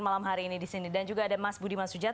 malam hari ini di sini dan juga ada mas budi mas ujat